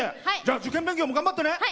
受験勉強も頑張ってね！